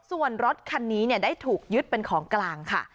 ส่วนรถคันนี้ได้ถูกยึดเป็นของกลางค่ะ